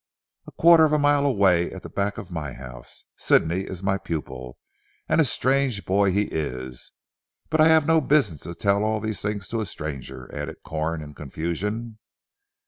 "A quarter of a mile away, at the back of my house. Sidney is my pupil and a strange boy he is. But I have no business to tell all these things to a stranger," added Corn in confusion.